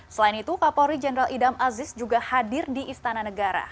selain itu kapolri jenderal idam aziz juga hadir di istana negara